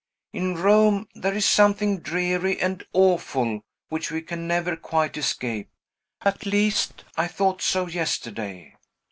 In Rome, there is something dreary and awful, which we can never quite escape. At least, I thought so yesterday."